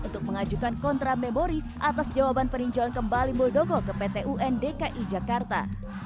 untuk mengajukan kontra memori atas jawaban peninjauan kembali muldoko ke pt un dki jakarta